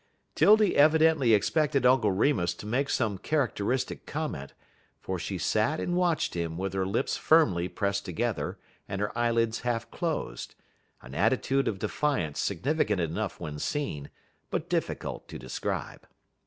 'Tildy evidently expected Uncle Remus to make some characteristic comment, for she sat and watched him with her lips firmly pressed together and her eyelids half closed, an attitude of defiance significant enough when seen, but difficult to describe.